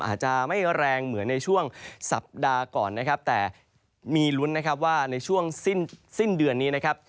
อาจจะไม่แรงเหมือนในช่วงสัปดาห์ก่อนนะครับแต่มีลุ้นนะครับว่าในช่วงสิ้นสิ้นเดือนนี้นะครับ